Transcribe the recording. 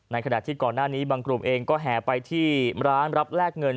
ขณะที่ก่อนหน้านี้บางกลุ่มเองก็แห่ไปที่ร้านรับแลกเงิน